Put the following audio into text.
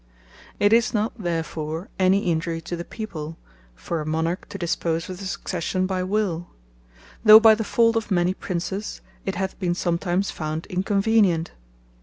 It is not therefore any injury to the people, for a Monarch to dispose of the Succession by Will; though by the fault of many Princes, it hath been sometimes found inconvenient.